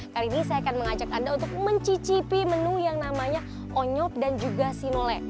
kali ini saya akan mengajak anda untuk mencicipi menu yang namanya onyok dan juga sinole